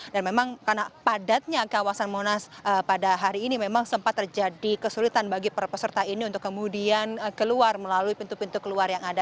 memang karena padatnya kawasan monas pada hari ini memang sempat terjadi kesulitan bagi para peserta ini untuk kemudian keluar melalui pintu pintu keluar yang ada